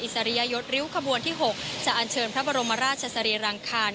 สริยยศริ้วขบวนที่๖จะอันเชิญพระบรมราชสรีรังคาร